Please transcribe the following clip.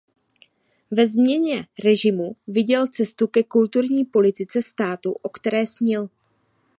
Ve změně režimu viděl cestu ke kulturní politice státu o které snil.